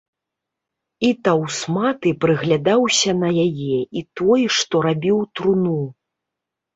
І таўсматы прыглядаўся на яе, і той, што рабіў труну.